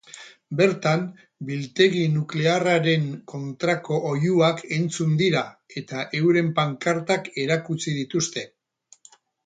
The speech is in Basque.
Bertan, biltegi nuklearraren kontrako oihuak entzun dira eta euren pankartak erakutsi dituzte.